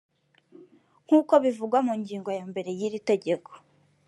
nk’uko bivugwa mu ngingo ya mere y’iri tegeko